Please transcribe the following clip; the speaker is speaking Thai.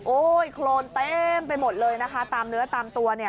โครนเต็มไปหมดเลยนะคะตามเนื้อตามตัวเนี่ย